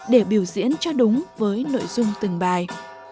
để biểu diễn cho đúng với nội dung từng bài